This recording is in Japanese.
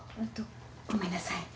ごめんなさい。